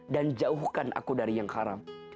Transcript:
dan jauhkan aku dari yang haram